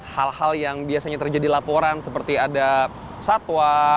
hal hal yang biasanya terjadi laporan seperti ada satwa